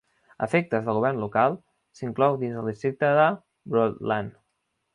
A efectes del govern local, s'inclou dins del districte de Broadland.